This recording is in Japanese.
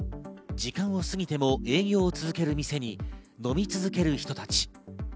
時間を過ぎても営業を続ける店に飲み続ける人たち。